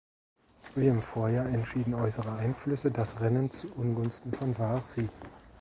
Wie im Vorjahr entschieden äußere Einflüsse das Rennen zu Ungunsten von Varzi.